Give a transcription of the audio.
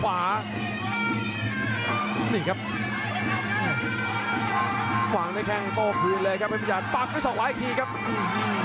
อันวัดเบียดเขามาอันวัดโดนชวนแรกแล้ววางแค่ขวาแล้วเสียบด้วยเขาซ้าย